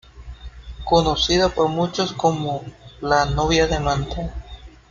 Conocida por muchos como "La Novia de Manta".